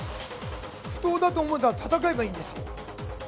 不当だと思ったら、闘えばいいんですよ。